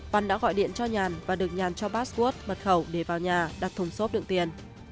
văn đã gọi điện cho nhàn và được nhàn cho bas cuốt mật khẩu để vào nhà đặt thùng xốp đựng tiền